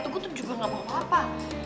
gue tuh juga ga bawa apa